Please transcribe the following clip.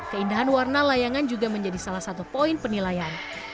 keindahan warna layangan juga menjadi salah satu poin penilaian